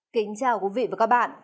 kính chào quý vị và các bạn